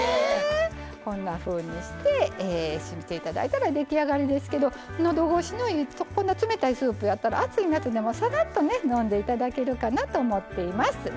こんなふうにしていただいたら出来上がりですけどのどごしのいい冷たいスープやったら暑い夏でもさらっと飲んでいただけるかなと思っています。